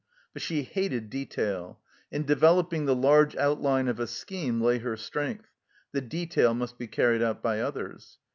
But she hated detail ; in developing the large outline of a scheme lay her strength the detail must be carried out by others.